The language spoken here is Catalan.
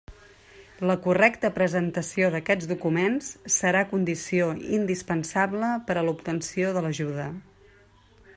La correcta presentació d'aquests documents serà condició indispensable per a l'obtenció de l'ajuda.